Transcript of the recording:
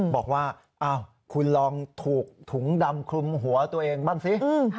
บอกว่าคุณลองถูกถุงดำคลุมหัวตัวเองบ้างสิ